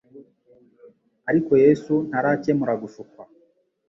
Ariko Yesu ntarakemera gushukwa.